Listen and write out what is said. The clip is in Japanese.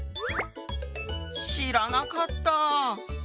知らなかった！